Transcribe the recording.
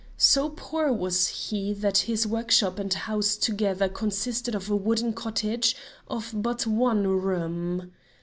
So poor was he that his workshop and house together consisted of a wooden cottage of but one room.